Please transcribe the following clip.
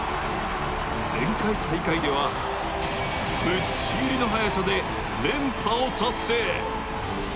前回大会では、ぶっちぎりの速さで連覇を達成。